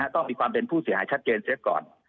ต้องมีความเป็นผู้เสียหายชัดเจนเสียก่อน